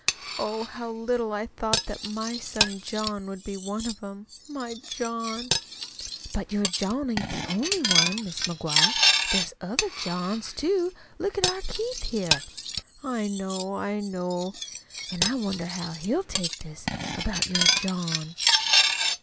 Oh, how little I thought that my son John would be one of 'em my John!" "But your John ain't the only one, Mis' McGuire. There's other Johns, too. Look at our Keith here." "I know, I know." "An' I wonder how he'll take this about your John?"